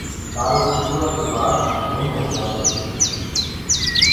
تآرو ٽوٚٽوآ ڪي بآد گُم هوجآندو هي۔